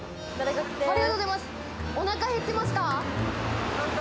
おなか減ってますか？